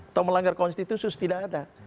atau melanggar konstitusi tidak ada